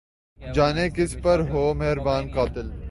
جانے کس پر ہو مہرباں قاتل